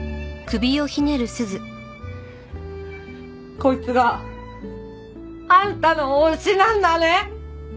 こいつがあんたの推しなんだね？